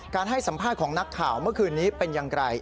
ให้สัมภาษณ์ของนักข่าวเมื่อคืนนี้เป็นอย่างไร